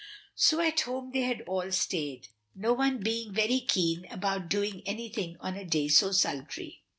So at home they all had stayed. No one being very keen about doing anything on a day so sultry.